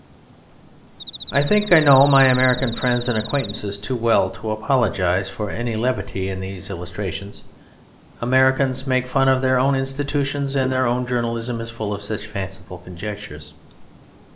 I think I know my American friends and acquaintances too well to apologise for any levity in these illustrations. Americans make fun of their own institutions; and their own journalism is full of such fanciful conjectures.